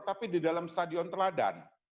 tapi di dalam stadion teladan